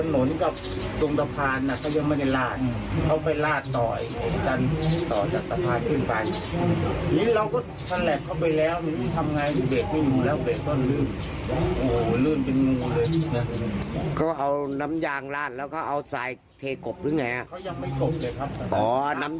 ลุงสายพินก็เลยบอกว่าอยากฝากไปถึงผู้รับเหมาหน่อยนะฮะ